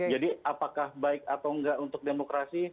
jadi apakah baik atau enggak untuk demokrasi